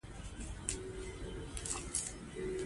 په افغانستان کې د اوړي منابع شته.